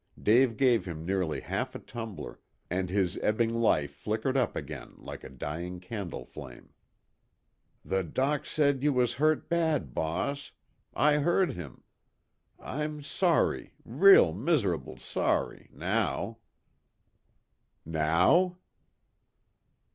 Dave gave him nearly half a tumbler, and his ebbing life flickered up again like a dying candle flame. "The Doc said you wus hurt bad, boss. I heard him. I'm sorry real miser'ble sorry now." "Now?"